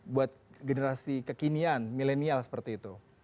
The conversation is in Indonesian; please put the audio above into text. buat generasi kekinian milenial seperti itu